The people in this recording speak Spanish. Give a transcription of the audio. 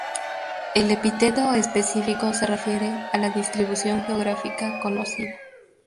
El epíteto específico se refiere a la distribución geográfica conocida.